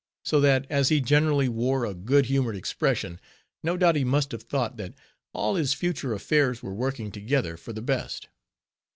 So that, as he generally wore a good humored expression, no doubt he must have thought, that all his future affairs were working together for the best.